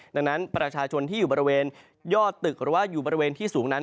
ดังนั้นประชาชนที่อยู่บริเวณยอดตึกหรือว่าอยู่บริเวณที่สูงนั้น